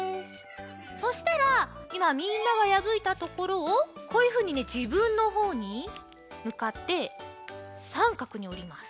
そしたらいまみんながやぶいたところをこういうふうにねじぶんのほうにむかってさんかくにおります。